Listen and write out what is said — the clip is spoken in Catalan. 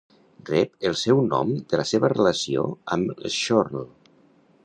Rep el seu nom de la seva relació amb el schorl.